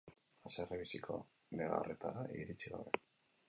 Haserre biziko negarretara iritsi gabe.